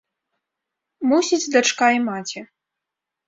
Мусіць, дачка і маці.